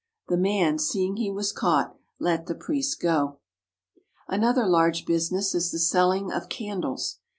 " The man, seeing he was caught, let the priest go. Another large business is the selling of candles.